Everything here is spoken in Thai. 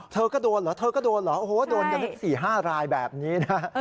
เธอก็โดนเหรอโดนกันสี่ห้ารายแบบนี้